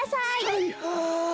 はいはい！